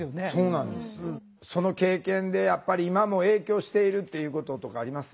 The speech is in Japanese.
その経験でやっぱり今も影響しているっていうこととかあります？